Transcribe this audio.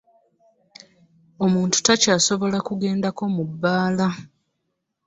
Omuntu takyasobola kugendako mu bbaala.